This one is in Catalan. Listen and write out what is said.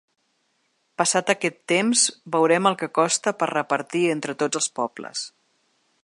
Passat aquest temps «veurem el que costa per repartir entre tots els pobles».